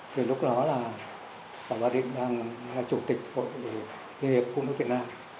thì lúc đó là bà định đang là chủ tịch hội liên hiệp phụ nữ việt nam